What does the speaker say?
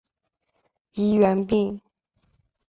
医源病。